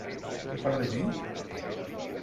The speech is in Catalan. De part de qui?